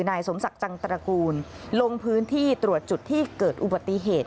นายสมศักดิ์จังตระกูลลงพื้นที่ตรวจจุดที่เกิดอุบัติเหตุ